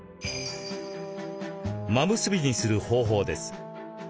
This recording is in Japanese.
真結びにする方法です。